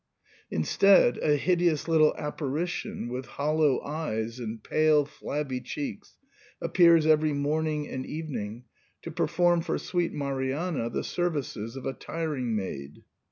Instead, a hideous little appari tion with hollow eyes and pale flabby cheeks appears every morning and evening to perform for sweet Mari anna the services of a tiring maid.